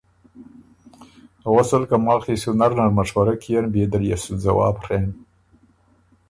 غؤسل که ماخ يې سو نر نر مشوره کيېن بيې دل يې سُو ځواب ڒېن۔“